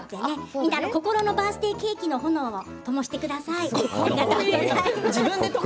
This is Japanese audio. みんなの心のバースデーケーキに炎をともしてください。